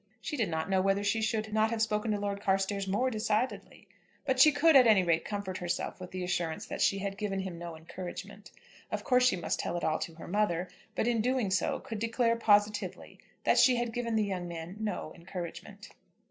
She did not know whether she should not have spoken to Lord Carstairs more decidedly. But she could, at any rate, comfort herself with the assurance that she had given him no encouragement. Of course she must tell it all to her mother, but in doing so could declare positively that she had given the young man no encouragement.